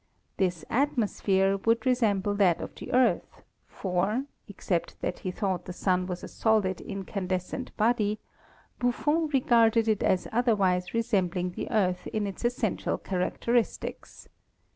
This atmosphere would resemble that of the Earth, for, except that he thought the Sun was a solid incandescent body, Buffon regarded it as otherwise re sembling the Earth in its essential characteristics.